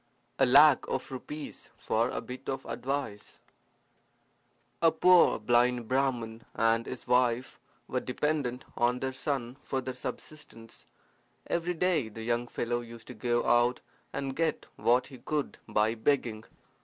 A Lac of Rupees for a Bit of Advice A poor blind Brahman and his wife were dependent on their son for their subsistence. Every day the young fellow used to go out and get what he could by begging.